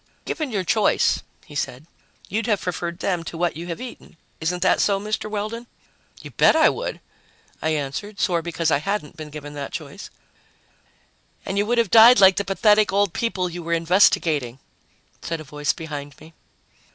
"Given your choice," he said, "you'd have preferred them to what you have eaten. Isn't that so, Mr. Weldon?" "You bet I would!" I answered, sore because I hadn't been given that choice. "And you would have died like the pathetic old people you were investigating," said a voice behind me.